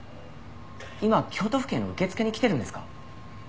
今京都府警の受付に来てるんですか？